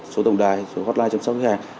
số tổng đài số hotline chăm sóc khách hàng